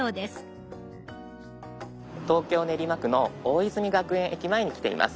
東京・練馬区の大泉学園駅前に来ています。